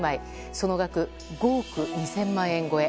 その額、５億２０００万円超え。